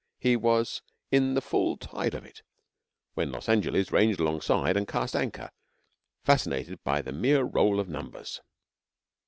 He was in the full tide of it when Los Angeles ranged alongside and cast anchor, fascinated by the mere roll of numbers.